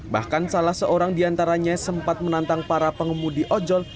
bahkan salah seorang diantaranya sempat menantang para pengemudi ojol